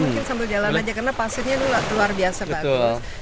mungkin sambil jalan aja karena pasirnya itu luar biasa bagus